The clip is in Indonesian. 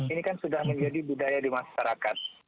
ini kan sudah menjadi budaya di masyarakat